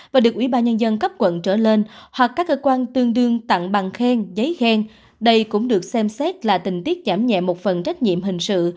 và được ủy ban nhân dân cấp quận trở lên hoặc các cơ quan tương đương tặng bằng khen giấy khen đây cũng được xem xét là tình tiết giảm nhẹ một phần trách nhiệm hình sự